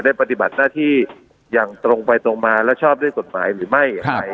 ได้ปฏิบัติหน้าที่อย่างตรงไปตรงมาแล้วชอบจากกฎหมายหรือไม่